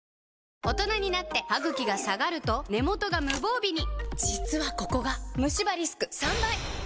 大人になってハグキが下がると根元が無防備に実はここがムシ歯リスク３倍！